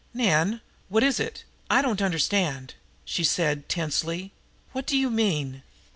"Nan, what is it? I don't understand!" she said tensely. "What do you mean?"